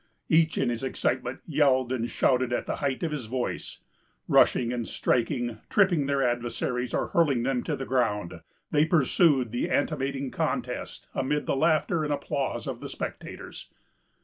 Each, in his excitement, yelled and shouted at the height of his voice. Rushing and striking, tripping their adversaries, or hurling them to the ground, they pursued the animating contest amid the laughter and applause of the spectators.